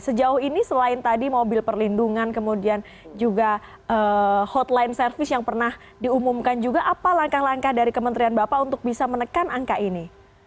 sejauh ini selain tadi mobil perlindungan kemudian juga hotline service yang pernah diumumkan juga apa langkah langkah dari kementerian bapak untuk bisa menekan angka ini